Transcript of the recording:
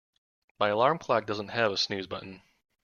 My alarm clock doesn't have a snooze button.